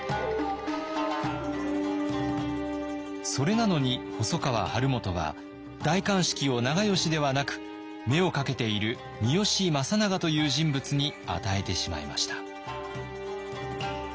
それなのに細川晴元は代官職を長慶ではなく目をかけている三好政長という人物に与えてしまいました。